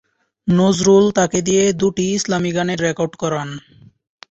নজরুল তাকে দিয়ে দুটি ইসলামী গানের রেকর্ড করান।